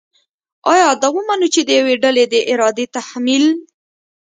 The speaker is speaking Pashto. آیا دا ومنو چې د یوې ډلې د ارادې تحمیل